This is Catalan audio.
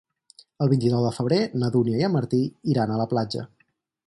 El vint-i-nou de febrer na Dúnia i en Martí iran a la platja.